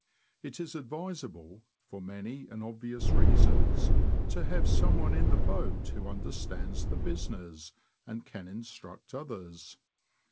It is advisable, for many and obvious reasons, to have someone in the boat who understands the business, and can instruct others.